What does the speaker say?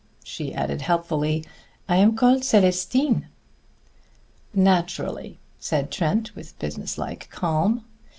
She added helpfully, "I am called Célestine." "Naturally," said Trent with businesslike calm.